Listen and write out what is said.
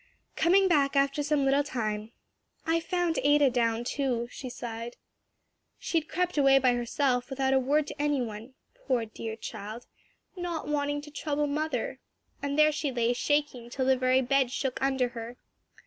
Coming back after some little time, "I found Ada down, too," she sighed. "She had crept away by herself, without a word to any one poor, dear child! 'not wanting to trouble mother,' and there she lay shaking till the very bed shook under her."